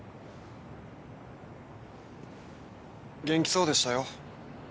元気そうでしたよ